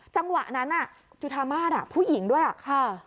จังหวะนั้นน่ะจุธามาศอ่ะผู้หญิงด้วยอ่ะค่ะ